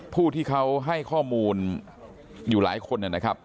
ผู้ที่เขาให้ข้อมูลอยู่หลายคนนะครับ